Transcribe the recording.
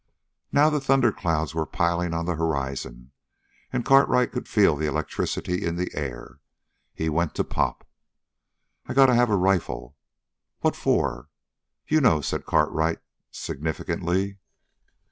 Now the thunderclouds were piling on the horizon, and Cartwright could feel the electricity in the air. He went to Pop. "I got to have a rifle." "What for?" "You know," said Cartwright significantly.